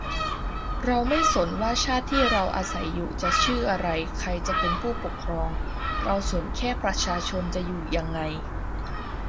เราไม่สนว่าชาติที่เราอาศัยอยู่จะชื่ออะไรใครจะเป็นผู้ปกครอง เราสนแค่ประชาชนจะอยู่ยังไง